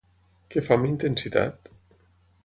Què fa amb intensitat?